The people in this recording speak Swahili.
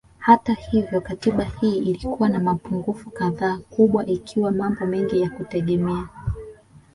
Hata hivyo Katiba hii ilikuwa na mapungufu kadhaa kubwa ikiwa mambo mengi ya kutegemea